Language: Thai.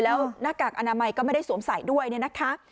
แล้วหน้ากากอนามัยก็ไม่ได้สวมใส่ด้วยเนี่ยนะคะ